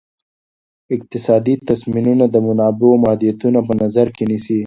اقتصادي تصمیمونه د منابعو محدودیتونه په نظر کې نیسي.